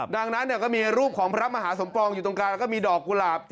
ดังนั้นก็มีรูปของพระมหาสมปองอยู่ตรงกลางแล้วก็มีดอกกุหลาบ